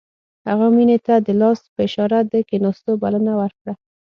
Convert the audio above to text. هغه مينې ته د لاس په اشاره د کښېناستو بلنه ورکړه.